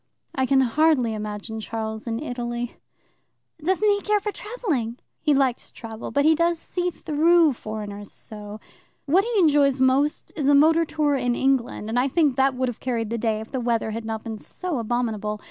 "I can hardly imagine Charles in Italy." "Doesn't he care for travelling?" "He likes travel, but he does see through foreigners so. What he enjoys most is a motor tour in England, and I think that would have carried the day if the weather had not been so abominable.